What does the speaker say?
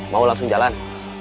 mau langsung jalan